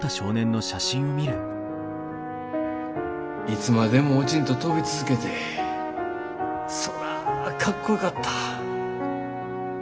いつまでも落ちんと飛び続けてそらかっこよかった。